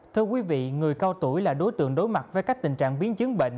thưa quý vị người cao tuổi là đối tượng đối mặt với các tình trạng biến chứng bệnh